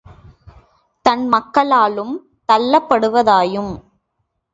தன் மக்களாலும் தள்ளப்படுவதாயும்